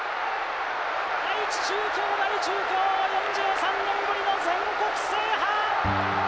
愛知中京大中京４３年ぶりの全国制覇。